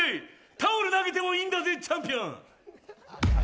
タオル投げてもいいんだぜチャンピオン。